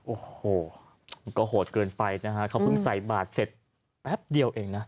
โอ้โหก็โหดเกินไปนะฮะเขาเพิ่งใส่บาทเสร็จแป๊บเดียวเองนะ